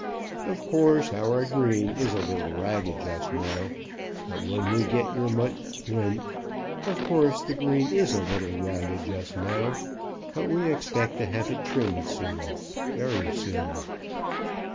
Of course, our green is a little ragged just now, but when we get your mon when of course, the green is a little ragged just now, but we expect to have it trimmed soon, very soon."